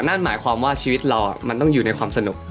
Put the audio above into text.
นั่นหมายความว่าชีวิตเรามันต้องอยู่ในความสนุก